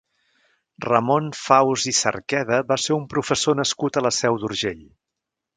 Ramon Faus i Cerqueda va ser un professor nascut a la Seu d'Urgell.